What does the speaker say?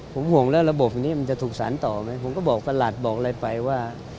ผมห่วงแล้วระบบนี้มันจะถูกสารต่อไหมผมก็บอกประหลัดบอกอะไรไปว่า